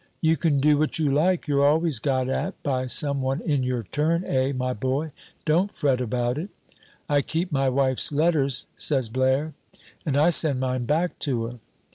"You can do what you like, you're always got at by some one in your turn, eh, my boy? Don't fret about it." "I keep my wife's letters," says Blaire. "And I send mine back to her."